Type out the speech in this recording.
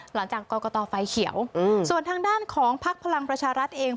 หลังจากกรกตไฟเขียวส่วนทางด้านของพักพลังประชารัฐเอง